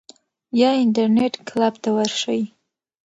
یا انټرنیټ کلب ته ورشئ.